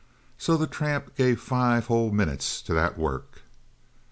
So the tramp gave five whole minutes to that work.